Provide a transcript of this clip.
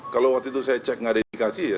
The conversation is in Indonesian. kalau waktu itu saya cek nggak ada indikasi ya